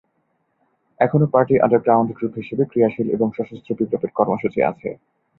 এখনো party underground group হিসেবে ক্রিয়াশীল এবং সশস্ত্র বিপ্লবের কর্মসূচি আছে।